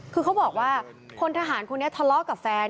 คือเขาบอกว่าพลทหารคนนี้ทะเลาะกับแฟน